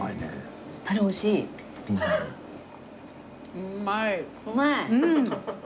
うまい！